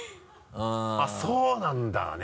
あっそうなんだね。